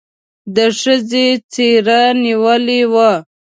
د ښځې څېره نېولې وه.